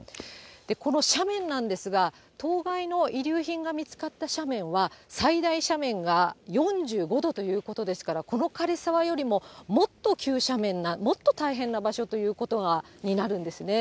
この斜面なんですが、当該の遺留品が見つかった斜面は、最大斜面が４５度ということですから、この枯れ沢よりももっと急斜面な、もっと大変な場所ということになるんですね。